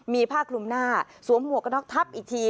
มีภาคกลุ่มหน้าสวมหัวกระนอกทับอีกที